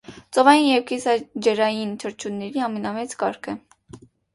Ծովային և կիսաջրային թռչունների ամենամեծ կարգը։